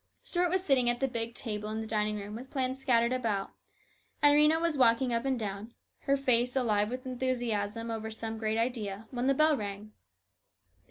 Stuart was sitting at the b'g table in the dining room with plans scattered about, and Rhena was walking up and down, her face alive with enthusiasm over some great idea, when the bell rang.